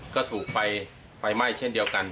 ก็ถูกไฟไหม้เช่นเดียวกัน